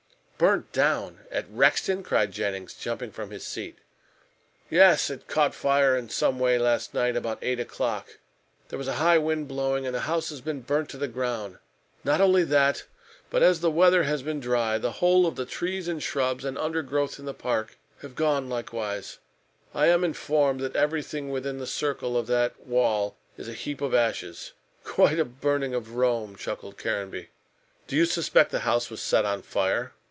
"Burnt down at Rexton!" cried Jennings, jumping from his seat. "Yes. It caught fire in some way last night, about eight o'clock. There was a high wind blowing, and the house has been burnt to the ground. Not only that, but, as the weather has been dry, the whole of the trees and shrubs and undergrowth in the park have gone likewise. I am informed that everything within the circle of that wall is a heap of ashes. Quite a burning of Rome," chuckled Caranby. "Do you suspect the house was set on fire?"